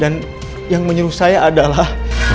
dan yang menurut saya adalah